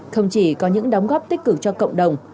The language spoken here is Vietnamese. không chỉ có những đóng góp tích cực cho cộng đồng